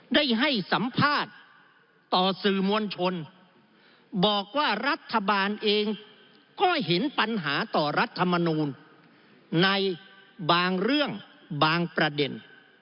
ได้ให้สัมภาษณ์ต่อสื่อมวลชนบอกว่ารัฐบาลเองก็เห็นปัญหาต่อรัฐมนูลในบางเรื่องบางประเด็น